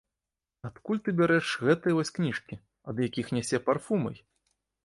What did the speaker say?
Адкуль ты бярэш гэтыя вось кніжкі, ад якіх нясе парфумай?